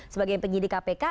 sebagai penyidik kpk